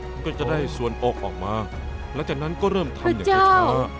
มันก็จะได้ส่วนออกออกมาหลังจากนั้นก็เริ่มทำอย่างช้า